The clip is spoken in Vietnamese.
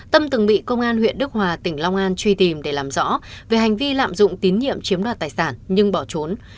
tâm từng bị công an huyện đức hòa tỉnh long an truy tìm để làm rõ về hành vi lạm dụng tín nhiệm chiếm đoạt tài sản nhưng bỏ trốn